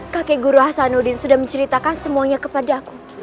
kakek guru hasanuddin sudah menceritakan semuanya kepadaku